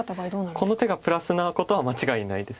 この手がプラスなことは間違いないです